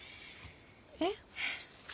えっ？